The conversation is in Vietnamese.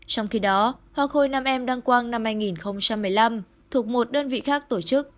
trong khi đó hoa khôi nam em đăng quang năm hai nghìn một mươi năm thuộc một đơn vị khác tổ chức